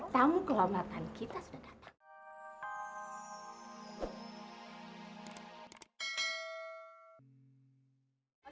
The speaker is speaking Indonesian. tamu kehormatan kita sudah datang